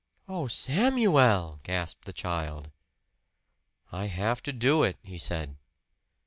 "Oh, Samuel!" gasped the child. "I have to do it," he said.